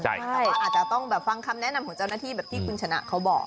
แต่ว่าอาจจะต้องฟังคำแนะนำของเจ้าหน้าที่แบบที่คุณชนะเขาบอก